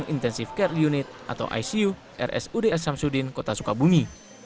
puskesmas pembantu di ruang intensive care unit atau icu rsuds samsudin kota sukabumi